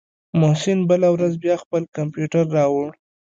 محسن بله ورځ بيا خپل کمپيوټر راوړ.